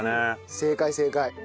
正解正解。